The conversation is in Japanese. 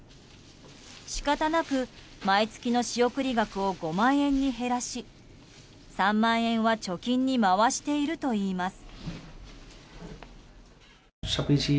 仕方なく、毎月の仕送り額を５万円に減らし３万円は貯金に回しているといいます。